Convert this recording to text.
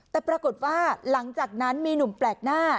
แต่ปรากฏว่าหลังจากนั้นมีหนุ่มแปลกหน้า